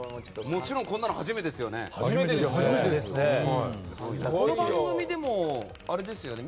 もちろんこんなの初めてですよね？